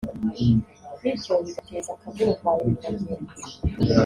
bityo bigateza akaduruvayo mu bagenzi